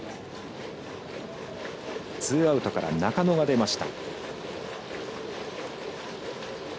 ツーアウトから中野が出ました。